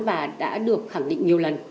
và đã được khẳng định nhiều lần